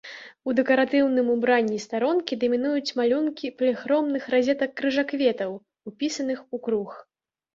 У дэкаратыўным убранні старонкі дамінуюць малюнкі паліхромных разетак-крыжакветаў, упісаных у круг.